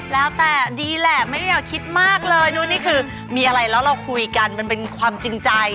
แล้วแต่ดีแหละไม่อยากคิดมากเลยนู่นนี่คือมีอะไรแล้วเราคุยกันมันเป็นความจริงใจ